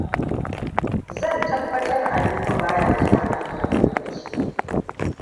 Zan ci tabbatar Aliko ba ya zuwa nan kan lokaci.